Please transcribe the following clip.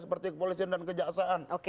seperti kepolisian dan kejaksaan